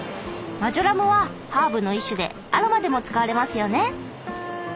マジョラムはハーブの一種でアロマでも使われますよね。